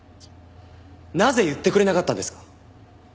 なぜ言ってくれなかったんですか？